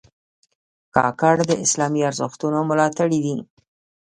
کاکړ د اسلامي ارزښتونو ملاتړي دي.